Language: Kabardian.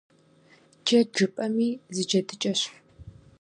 Джэд жыпӏэми зы джэдыкӏэщ.